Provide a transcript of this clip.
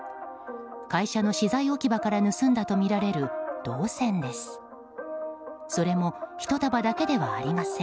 会社の資材置き場から盗んだとみられる銅線です。